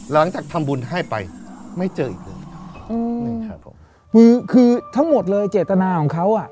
แล้วหลังจากทำบุญให้ไปไม่เจออีกอย่างคือทั้งหมดเลยเจตนาของเขา